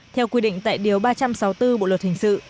theo quy định tại điều ba trăm sáu mươi bốn bộ luật hình sự